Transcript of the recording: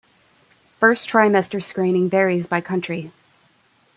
First trimester screening varies by country.